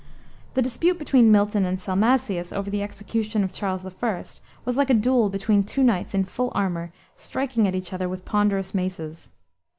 The dispute between Milton and Salmasius over the execution of Charles I. was like a duel between two knights in full armor striking at each other with ponderous maces.